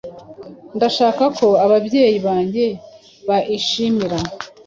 Ndashaka ko ababyeyi banjye baishimira.